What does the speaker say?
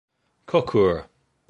Kokure.